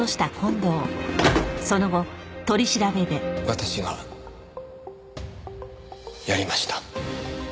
私がやりました。